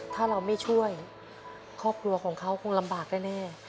ถ้าเราไม่ช่วยครอบครัวของเขาคงลำบากแน่